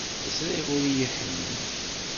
Ẓriɣ ur iyi-iḥemmel.